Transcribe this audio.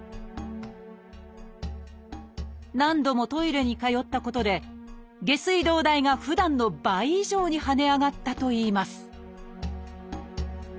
何度もトイレに通ったことで下水道代がふだんの倍以上に跳ね上がったといいます